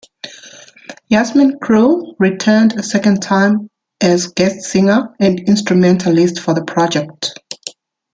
Yasmin Krull returned a second time as guest singer and instrumentalist for the project.